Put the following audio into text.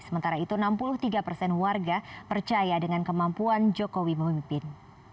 sementara itu enam puluh tiga persen warga percaya dengan kemampuan jokowi memimpin